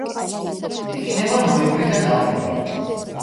იყინება ნოემბრიდან აპრილამდე.